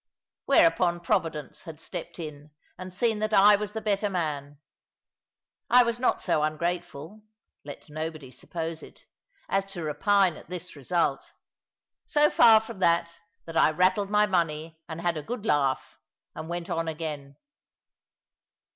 Whereupon Providence had stepped in and seen that I was the better man. I was not so ungrateful let nobody suppose it as to repine at this result. So far from that, that I rattled my money and had a good laugh, and went on again.